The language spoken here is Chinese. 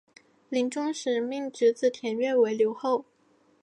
临终时命侄子田悦为留后。